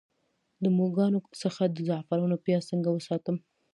د موږکانو څخه د زعفرانو پیاز څنګه وساتم؟